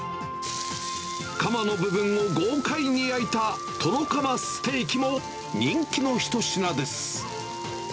かまの部分を豪快に焼いた、トロカマステーキも、人気の一品です。